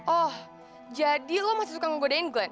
oh jadi lo masih suka ngegodain glenn